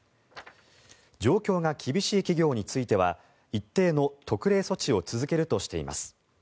状況が厳しい企業については一定の特例措置を続けるとしています。